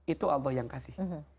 itu allah yang kasih